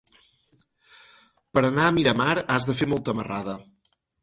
Per anar a Miramar has de fer molta marrada.